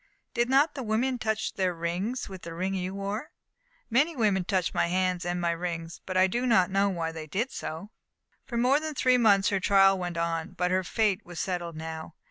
"Did not the women touch their rings with the ring you wore?" "Many women touched my hands and my rings, but I do not know why they did so." For more than three months her trial went on. But her fate was settled now.